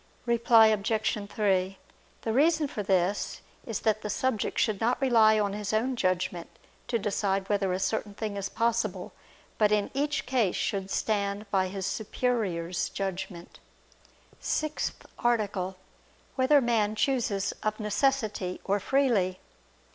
Reply Obj. 3: The reason for this is that the subject should not rely on his own judgment to decide whether a certain thing is possible; but in each case should stand by his superior's judgment. ________________________ SIXTH ARTICLE [I II, Q. 13, Art. 6] Whether Man Chooses of Necessity or Freely?